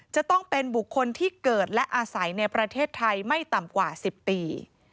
จะต้องเป็นบุคคลที่เกิดและอาศัยในประเทศไทยไม่ต่ำกว่า๑๐ปี